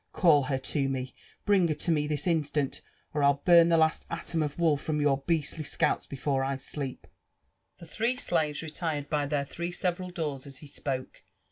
^all her to ne— bring her te ■M this instant, or Til burn the last atom of wool froip your beastly sealps before I sleep I " The three slaves retired by dieir three several doors as he spoke.